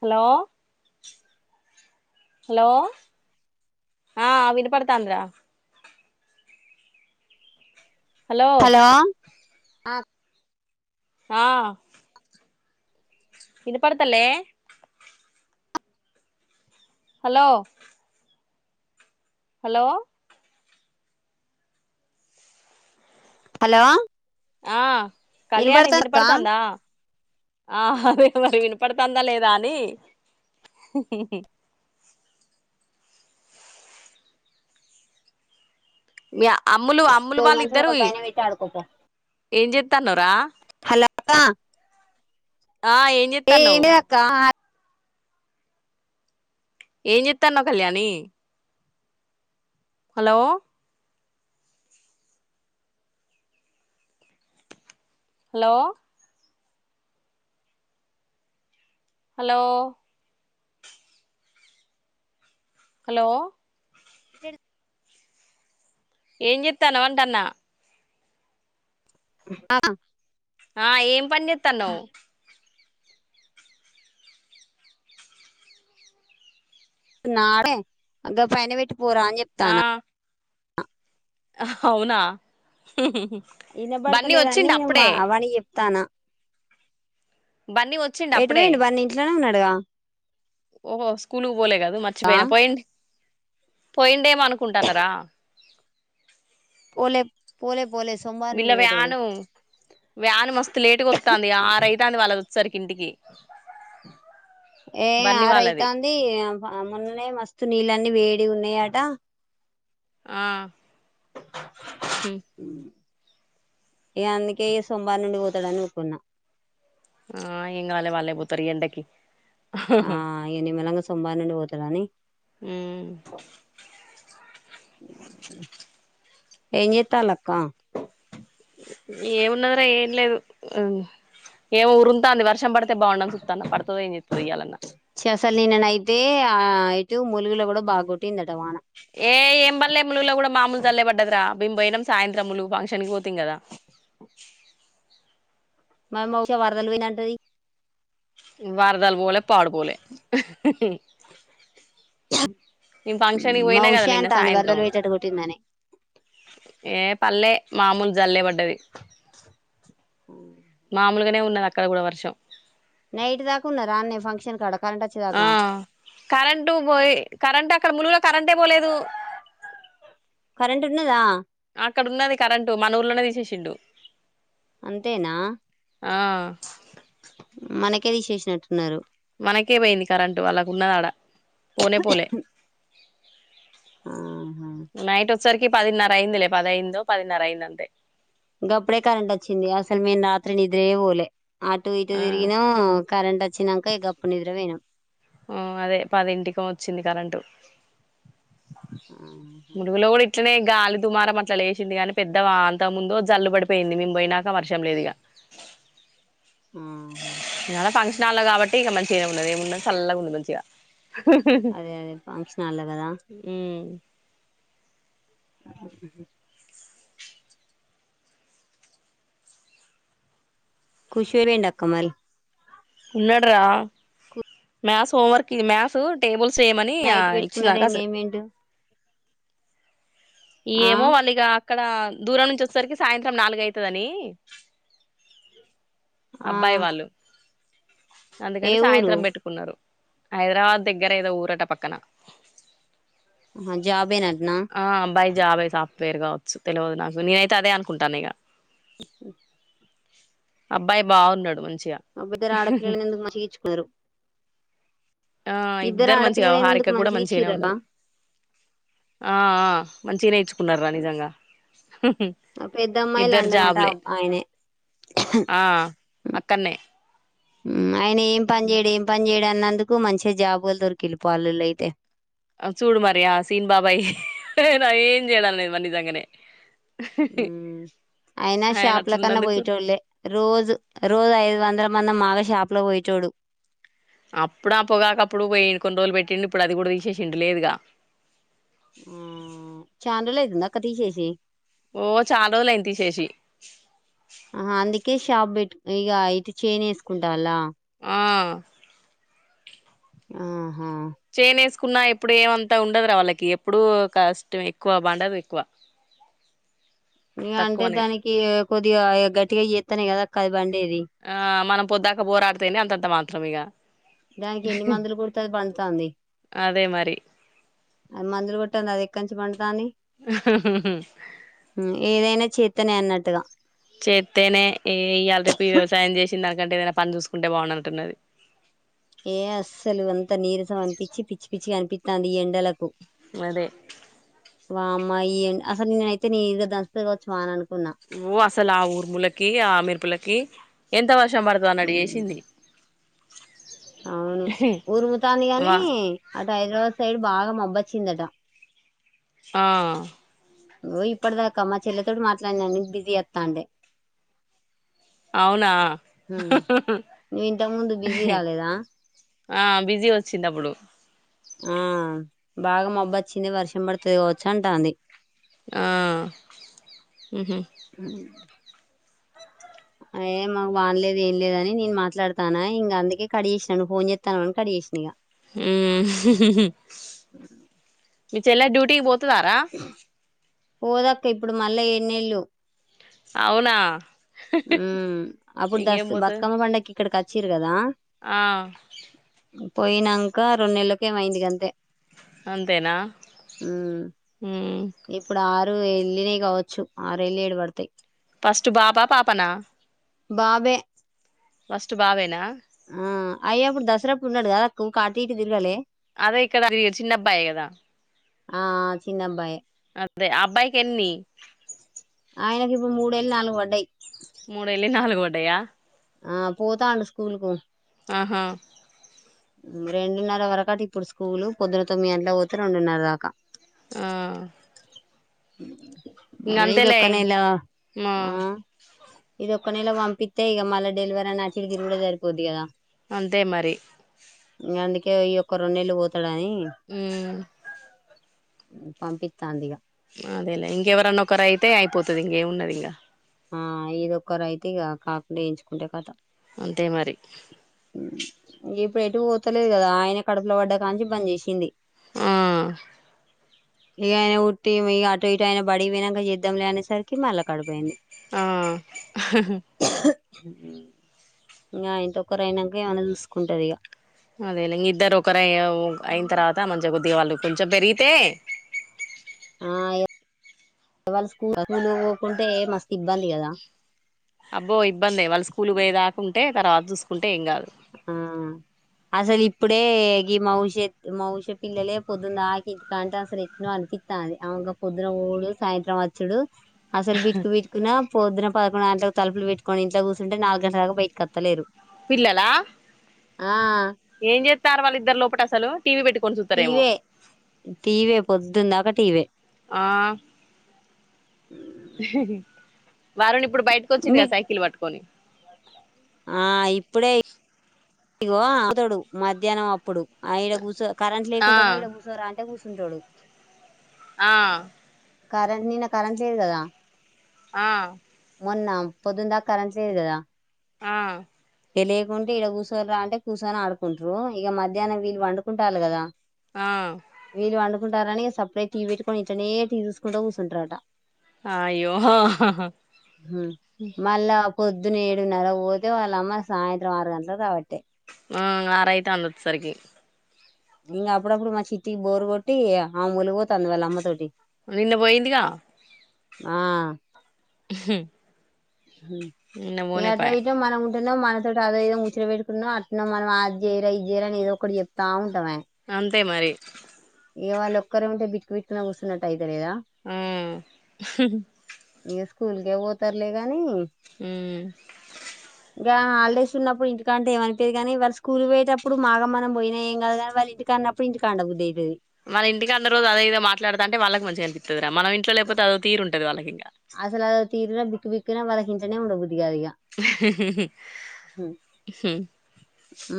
Hello hello ఆ వినపడతాంద్ర hello ఆ ఆ ఇనపడ్తలే హలో హలో హలో ఆ కళ్యాణి ఇనబడతా అక్క వినపడతందా ఆ అదే మరి వినపడతాందా లేదా అని మీయ అమ్ములు అమ్ములు ఈ మంచం ఒకటి వాళ్ళిద్దరివి పైన పెట్టి ఆడుకోపో ఏం జెత్తన్నవ్ రా హలో ఆ ఏం చేత్తన్నావ్ ఏమి అక్కా హ ఏం జెత్తన్నావ్ Kalyani hello hello hello hello ఇచే ఏం చేత్తన్నావ్ అంటన్న ఆ ఆ ఏం పని చేత్తన్నావ్ నాడే గ పైన పెట్టి పోరా అని ఆ చెప్తాన అవునా బన్నీ వచ్చిండా అప్పుడే తన బన్నీ వచ్చిండ అప్పుడే పోయిండు వాన్ని ఇంట్లోనే ఉన్నాడుగా ఓహో స్కూల్ కు పోలే కాదు మర్చిపోయినా పోయిడి పోయిండేమో అనుకుంటాన్నారా పోలే పోలే పోలే సోమవారం వీళ్ళ నుండి పోతాడు వ్యాను వ్యాన్ మస్తు లేటుగా వస్తది ఆరు అైతుంది వాళ్ళ సరికి ఇంటికి ఏ బన్నీ వాళ్ళది ఆరైతంది మొన్ననే మస్తు నీళ్ళ అన్ని వే ది ఉన్నాయటా ఆ ఉ ఇగ అందుకే సోమవారం నుండి పోతాడని ఉ ఉరుకున్నా ఆ ఏం కాలేదు లే వాళ్ళ పోూతురు ఎండకి ఆ ఇ నిమ్మలంగా సోమార్ నుండి పోతాడని ఉ ఎం చేతల్లు అక్క ఏమున్నది రా ఏం లేదు ఏము ఉరుమతాంది వర్షం పడు తే బాగుండు సూత్తన్న పడుతది ఏం చేస్తాదో ఇయ్యాలన్నా అయితే ములిగీలు కూడా బాగోట్ ఏ ఏం బల్లే ములుగుల కూడాడా మామూలు జల్లే పడ్డదిరా బిం పోయినం సాయంత్రం ములుగు ఫంక్షన్కిి పోతి కదా మ మష వరదలు పోయినాంటది వారదాలు పోలే పాడు పోలే నిం ఉమ్, ఫంక్షన్ కి పోయినా మౌష కదా నిన్న అంటాంది సాయంత్రం వరదలు పోయేటట్టు కొట్టిందని ఏ పల్లె మామూలు జల్లే పడ్డది మా ములుగానే ఉన్నది అక్కడ కూడా వర్షం నైట్ దాకా ఆడనే ఫంక్షన్ కాడ కరెంట్ ఆ వచ్చేదాకా కరెంటు పోయి కరెంట్ అక్కడ ములుగులో కరెంటే పోలేదు కరెంట్ ఉన్నదా అక్కడ ఉన్నది కరెంటు మన ఊర్లోనే తీసేసిండు అంతేనా ఆ మనకే తీసేసినట్టున్నారు మనకే పోయింది కరెంటు వాళ్లాకు ఉన్నది ఆడ పోనే పోలే ఆహా నైట్ వచ్చరికి పదిన్నర అయిందిలే పదయిందో పదిన్నర అయింది అంతే గప్పుడే కరెంట్ వచ్చింది అసలు మేను రాత్రి నిద్రే పోలే అటు ఇటు ఆ తిరిగినా కరెంట్ వచ్చినాక గప్పుడు నిద్ర పోయినాం ఉ అదే పదింటికేమో వచ్చింది కరెంటు ఆహా ముడుగులో గూడ ఇప్ ఇట్లనే గాలి దుమారం అట్లా లేసిింది కాని పెద్దవా అంత ముందు జల్లు పడిపోయింది మేము పోయినాక వర్షం లేదు ఇగ [inaudible] ఆహా. ఇగ అల్ల ఫంక్షన్ హల్ల కాబట్టి ఇంగ మంచిగానే ఉన్నది ఏమున్నది చల్లగా ఉంది మంచిగా అదే అదే ఫంక్షన్ హాల్లో కదా మ్ మ్ హు కుష్వేరేండక్క మరి ఉన్నాడ్రా maths homework maths table చేేమని ఆ నైట్ పెట్టుకున్నారు ఇచ్చినక అసల్ ఎంగేజ్మెంట్ ఆ ఇయ్యేమొ వాళ్ళు ఇగ అక్కడ దూరం నుంచి వచ్చేసరికి సాయంత్రం నాలుగైతదని ఆ అబ్బాయి వాళ్ళు ఏ అందుకని ఊరు సాయంత్రం పెట్టుకున్నారు హైదరాబాద్ దగ్గర ఏదో ఊరట పక్కన జాబే నట్నా ఆ అబ్బాయి జాబ్ సాఫ్ట్వేర్ కావచ్చు తెలియదు నాకు నేనైతే అదే అనుకుంటాన ఇగ స అబ్బాయి బాగున్నాడు మంచి అబ్ ఇద్దరు ఆడపిల్లను మంచిగ ఇచ్చుకున్నారు ఆ ఇద్దరు మంచిగా హారిక ఆడపిల్లలైనందుకు కు కూడా మంచిగా మంచిగానే ఇచ్చిరట ఉన్నారు ఆ ఆ మంచిగానే ఇచ్చుకున్నార్ర నిజంగా పెద్ద అమ్మాయి ఇద్దరు లండన్ అట జాబ్లే ఆయనే ఆ అక్కన్నే మ్ ఆయన ఏం పని చేయడు ఏం పని చేయ్యడు అన్నందుకు మంచిగా జాబోళ్ళు దొరికిళ్ళు పో అల్లుళ్ళు అయితే చూడు మరి ఆ సీన్ బాబాయ్ న ఏం చేయాడం లేదు మరి నిజంగానే మ్ అయినా ఆయన షాపు లోకన్న అట్లున్నందుకు పోయేటోళ్ళే రోజు రోజు ఐదు వందల మన్న మాగ షాప్ లకు పోయేటోడు అప్పుడు ఆ పోగాకప్పుడు పోయి కొన్ని రోజులు పెట్టిండి ఇప్పుడు అది కూడా తీసేసిండు లేదిగా మ్ చాన్రోలైతుందా అక్క తీసేశి ఓ చాలా రోజులు అయింది తీసేసి ఆహా అందుకే షాప్ పెట్ ఇగ ఇటు చేనేసుకుంటాల్ల ఆ ఆహా కున్నా ఎప్పుడు ఏమంతా ఉండదురా వాళ్ళకి ఎప్పుడూ కష్టం ఎక్కువ పండవు ఎక్కువ [inaudible] ఇంగ అంటే తక్కువనే దానికి కొద్దిగా గట్టిగా చేస్తానే కదా అక్క అది పం ఆ మనం పొద్ద్దాక బోరాడుతేనే అంతంత మాత్రం ఇగ దానికి ఎన్ని మందులు కోడుతే అది పండుతాంది అదే మరి అ మందులు కొట్టంది అది ఎక్కన్ దాని మ్ ఏదైనా చేతనే అన్నట్టుగా చెతేనే ఇగ ఇయ్యల రేపు వ్యవసాయం చేస్ చిన్ దాని కంటే ఏదైనా పని చూసుకుంటే బాగున్నటున్నది ఏ అస్సలు అంతా నీరసం అనిపించి పిచ్చి పిచ్చి అనిపితాంది ఇ ఎం డలకు అదే వమ్మా ఈ ఎం అసలు నిన్ననైతే నీ ఇరుగా దంచుతది కావచ్చు వానను ఓ అసలు ఆ ఊరు ములకి ఆ మేరుపులకి ఎంత వర్ష పడుతదో అన్నట్టు చేసింది అవును ఉరుముతాంది కాని వా అటు హైదరాబాద్ సైడ్ బాగా మబ్ వచ్చిందట ఆ ఓ ఇప్పటిదాకా మా చెల్లెతోటి మాట్లాడిన నీకు బిజీ అతంటే. అవునా ఉ నువ్ ఇంతకు ముందు బిజీ రాలేదా ఆ బిజీ వచ్చింది అప్పుడు ఆ బాగా మబ్బచ్చింది వర్షం పడితదిగావచ్చు అంటాంది ఆ ఉహు ఊ ఏ మాకు వాన్ లేద్ ఏం లేదని నేన్ మాట్లాతన ఇంగ అందుకే కడి జేషిన నువ్ ఫోన్ జేతనవని కడిజేశిన ఇంగ మీ చెల్ల డ్యూటీకి బోతదరా? పోదక్క ఇప్పుడు మళ్ళ ఎన్నేళ్ళు అవునా ఊ అప్పుడు దస్ ఇంకేం పోతది బతుకమ్మ పండకి ఇక్కడకి వచ్చీరు కదా ఆ పోయినంక రొన్ నెలకేమో అయింది గంతే అంతేనా ఊ మ్మ్ ఇపుడు ఆర్ రు ఎల్లినయ్ కావచ్చు ఆరుఎళ్ళి ఏడు వడతయి ఫస్టు బాబా పాపనా? బాబే ఫస్టు బావేనా ఆ అయ్యప్పుడు దసరాప్పుడు ఉన్నడు కదక్క ఊక అటు ఇటు తిరగలే అదె ఇక్కడ మీ చిన్నబ్బాయే కదా ఆ చిన్నబ్బాయే. అదే ఆ అబ్బాయికి ఎన్ని? ఎల్ నాలుగు వడ్డయ్. మూడేలి నాలుగు వడ్డయా? ఆ పోతాండు స్కూల్ కు ఆహా రెండున్నర వరకట ఇప్పుడు స్కూలు పొద్దున తొమ్మిది గంటల పోతే రొండున్నర దాకా ఆ ఇంగ అదే అంతేలే ఇదొక్కనెలా ఆ ఇది ఒక్క నెల వంపితె ఇగ మళ్ళ డిలవరన్నట్టు అటు ఇటు తిరుగుడే సరిపోది కదా అంతే మరి ఇంగ అందుకే ఈ ఒక్క రొంనెళ్లు పోతడు అన్ ఊ ఉ పంపితాంది ఇగ అదేలే ఇంక ఎవరన్నోకర అయితే అయిపోతది ఇంగ ఏమున్నదింగ ఆ ఇదొక్కరు అయితే ఇగ కాకుండ ఎంచుకుంటే కతం అంతే మరి ఇప్పుడు ఎటు ఒతలేదు కదా ఆయన కడపుల వడ్డ కానించి బంజేసింది ఆ ఇగయినా ఉట్టి ఇ అటు ఇటు అయినా బడి వినాక చేద్దాం లే అనేసరికి మళ్ళ కడుపయింది. ఆ ఇంగ ఆయింతొకరు ఐనక ఏమనా చూసుకుంటది ఇగ. అదే లే ఇగ ఇద్దరు ఒకరు అయిన తర్వాత మంచిగా కొద్దిగ వాళ్ళు కొంచం పెరిగితే ఆ వాళ్ళ స్కూల్ స్కూల్ పోకుంటే మస్తు ఇబ్బంది కదా అబ్బో ఇబ్బంది వాళ్ళు స్కూల్ పోయే దాకుంటే తర్వాత చూసుకుంటే ఏం కాదు ఆ అసలు ఇప్పుడే ఈ మవిష మవిష పిల్లలే పొద్దున్నందక ఇంటికాన్నె ఉంటే అసలు ఏట్లనో కత్త అది గా పొద్దున పోవుడు సాయంత్రం వచ్చుడు అసలు బిటుకు బిట్టుకున్న పొద్దున పదకొండు గంటలకు తలుపులు పెట్టుకొని ఇంట్ల కూర్చంటే నాలుగు గంటల దాకా బయటికి వత్తలేరు పిల్లలా ఆ ఏం చేస్తారు వాళ్ళ ఇద్దరు లోపట అసలు టీవీ పెట్టుకొని చూతారేమో పొద్దుందాక టీవే వరుణ్ ఇప్పుడు బయటకు వచ్చిండు కదా మీకు సైకిల్ పట్టుకొని ఆ ఇప్పుడే ఇగో ఆడుతాడు మధ్యాహ్నం అప్పుడు ఆ ఇడ కూర్చొ కరెంట్ ఆ లేకుంటానో ఈడ కూర్చోరా అంటే కూర్చుంటాడు ఆ కరం నిన్న కరెంటు లేదు కదా ఆ మోన్నా పొదుందాక కరంట్లేదు కదా ఆ లేయకుంటే ఇక్కడ కూసో రా అంటే కూర్చొని ఆడుకుంట్రారు ఇక మధ్యాహ్న వీళ్ళు వండుకుంటాల్లు కదా ఆ చదుకుంటారని సప్పుడేక టీవీ పెట్టుకని ఇంట్లోనే టీవీ చూసుకుంట కూర్చంటారట అయ్యో హా పొద్దున ఏడున్నర పోతే వాళ్ళ అమ్మ సాయంత్రం ఆరు గంటలుకు రాబట్టే ఆ ఆరైతాంది అచ్చేసరికి ఇంగ్ అప్పుడ అప్పుడు మా చిట్టికి బోర్ ఒకటి ఆ ములి పోతు అందవల్ళ అమ్మలతోటి నిన్న పోయిందికా ఆ హ ఇగ అటో ఇటో మన అన్నో మనతోటి అద ఏదో ముచట పెట్టుకున్నా అట్న్నో మనం అది చేయరా ఇది చేరా అని ఏదో ఒకటి చెప్తాం తవే అంతే మరి ఇగ వాళ్ళ ఒక్కరు ఉంటే బిక్కు బిక్కు కూసున్నట్టుయి ఉమ్ హు ఏ స్కూల్క పోతర్లే కాని ఉమ్ ఇక హాలిడేస్ ఉన్నప్పుడు ఇంటికంటే ఏమనిపోయాది కానీ వాళ్ళ స్కూల్ పోయేటప్పుడు మాగా మనం పోయినా ఏం కాదు కానీ వాళ్ళ ఇంటిక ప్పుని ఇంటి కాడ ఉండ బు మన ఇంటి అందరు రోజు అదేద మాట్లాడుత అంటే వాళ్ళకి మంచిగా అనిపిస్తది మనం ఇంట్లో లేకపోతే అదో తీరుంటది వాళ్ళకి ఇంకా వలకు ఇంట్లనే ఉండ ఇగ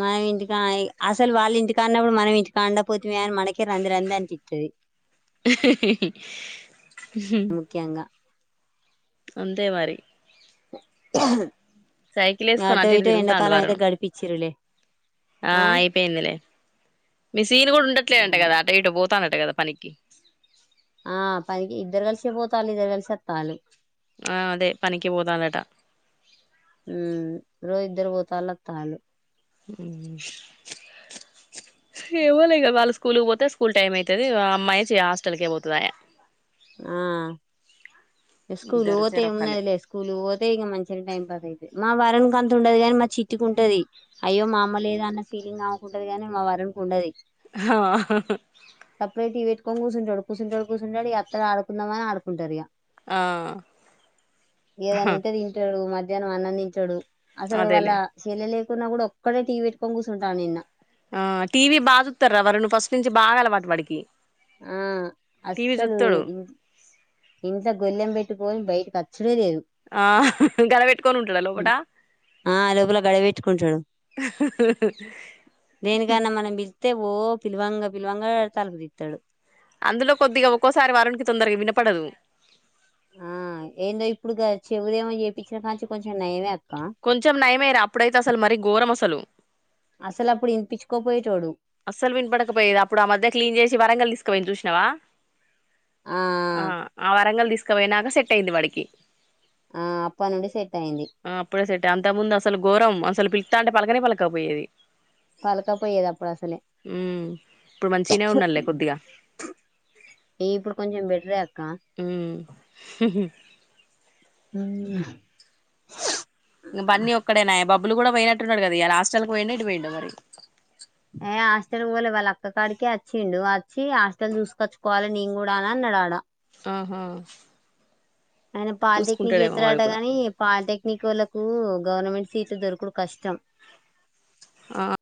మా ఇంటి అసలు వాళ్ళు ఇంటికా ఉన్నప్పుడు మనం ఇంటి కాడ పోతుమే అని మనకే రందు రంది అనిపితది హాహా ముఖ్యంగా అంతే మరి సైకిల్ వేసుకొని ఆటో అటు ఇటు ఇటో తిరుగుతాండు ఎండాకాలం అయితే వరుణ్ గడిపిచ్చిరులే ఆ అయిపోయిందిలే మీసీను కూడా ఉండట్లే అంట కదా అటో ఇటో పో త్తానట కదా పనికి ఆ పనికి ఇద్దరు కలిసి పోతాలు ఇద్దరు కలిసి వత్తాలు ఆ అదే పనికి పోదాలట మ్ రోజు ఇద్దరు పోత్తాలు వత్తాలు హ్మ్ ఏమోలే ఇగ వాళ్ళు స్కూల్కి పోతే స్కూల్ టైం అయితది అమ్మాయి చె హాస్టల్కి పోతదయె ఆ స్కూల్ ఇద్దరు పోతే ఏం చెరొక్కళ్ళు ఉన్నదిలే స్కూల్ పోతే ఇంకా మంచిగా టైం పాస్ అయితది మా వరుణ్కు అంత ఉండదు గాని మా చిట్టికి ఉంటది అయ్యో మా అమ్మ లేదన్న ఫీలింగ్ ఆమెకుఉంటది కాని మా వరుణ్కి ఉండది ఆహా పక్కన కూర్చుంటాడు కుర్చుంటాడు కూచుంటాడు ఈ ఆడుకుందమఅని ఆడుకుంటారు ఇగ ఆ ఏదనా ఉంటే తింటడు మధ్యాహ్నం అన్నం తింటడు అసలు వాళ్ళ అదేలే చెల్లెలు లేకున్నా కూడా ఒక్కడే టీవీ పెట్టుకొని కూర్చుంటాడు నిన్న ఆ టీవీ బా చూస్తార్ర వరుణ్ ఫస్ట్ నుంచి బాగా అలవాటు వాడికి ఆ టీవీ అస్సల్ చూత్తడు ఇ ఇంత గొల్లెం పెట్టుకొని బయటకి వచ్చ ఆ గడ పెట్టుకొని ఉంటాడ లోపట ఆ లోపల గడపెట్టుకుంటాడు దేనికన్నా మనం తే ఓ పిల్వాంగ పిల్వంగ తలుపుదిత్తాడు అందులో కొద్దిగా ఒక్కోసారి వరుణ్కి తొందరగా వినపడదు ఆ ఏందో ఇప్పుడుగ చెవుదేమో చేపిచ్చిన కాన్చి కొంచెం నయమే అ కొంచెం నయమే రా అప్పుడైతే అసలు మరి ఘోరం అసలు అసలు అప్పుడు ఇనిపించుకోపోయేటోడు అస్సలు వినపడకపోయేది అప్పుడు ఆ మధ్య క్లీన్ చేసి వరంగల్ తీస్కపోయను చూసినవా ఆ ఆ వరంగల్ తీస్కపోయినాక సెట్ అయింది వాడికి ఆ అప్ప నుండి సెట్ అయింది ఆ అప్పుడే సెట్ అంత ముందు అసలు ఘోరాం అసలు పిలుతాంటే పలకనే పలకపోయేది పలక పోయేది అప్పుడు అసలే మ్మ్ ఇప్పుడు మంచిగనే ఉన్నాడులే కొద్దిగా ఈ ఇప్పుడు కొంచెం బెట్రే అక్క హ్మ్ హ్మ్ ఇంకా బన్నీ ఒక్కడేనా బబ్లు కూడా పోయినట్టున్నాడు కదా ఇలా హాస్టల్ పోయిండో ఎటు పోయిండో మరి ఏ హాస్టల్ పోలే వాళ్ళ అక్క కాడికి వచ్చిండు వచ్చి హాస్టల్ చూసుకొచ్చుకోవాలి నేను కూడా అని అన్నాడు అడా ఆహా ఆయన పాలిటెక్నిక్ చూసుకుంటాడేమో వాడు చేస్తాడట కూడా గాని పాలిటెక్ మీకు వోళ్ళలకు గవర్నమెంట్ సీట్లు దొరకుడు కష్టం ఆ